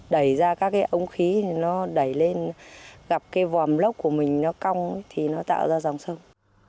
đẩy ra các cái ống khí thì nó đẩy lên gặp cái vòm lốc của mình nó cong thì nó tạo ra dòng sông